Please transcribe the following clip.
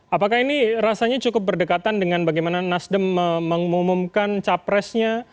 apakah ini rasanya cukup berdekatan dengan bagaimana nasdem mengumumkan capresnya